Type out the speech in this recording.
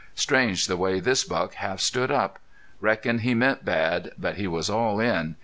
Strange the way this buck half stood up. Reckon he meant bad, but he was all in.